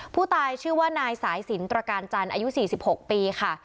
ผู้ตายชื่อว่านายสายสินตรการจันทร์อายุ๔๖ปีค่ะ